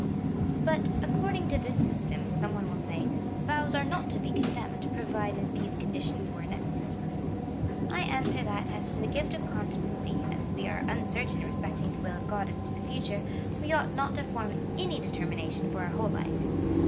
But, " according to this system," some one will say, " vows are not to be condemned, provided these conditions were annexed." I answer that, as to the gift of continency, as we are uncer tain respecting the will of God as to the future, we ought not to form any determination for our whole life.